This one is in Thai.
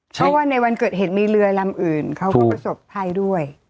เพราะว่าในวันเกิดเหตุมีเรือลำอื่นเขาก็ประสบภัยด้วย